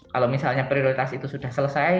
kalau misalnya prioritas itu sudah selesai